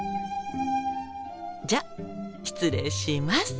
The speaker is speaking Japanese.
じゃあ失礼します。